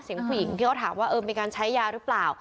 เสียงผู้หญิงที่เขาถามว่าเออมีการใช้ยาหรือเปล่า